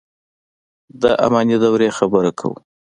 د اماني دورې خبره کوو.